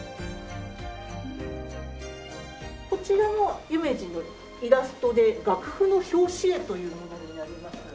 こちらも夢二のイラストで楽譜の表紙絵というものになります。